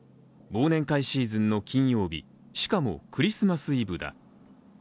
忘年会シーズンの金曜日、しかもクリスマスイブだ。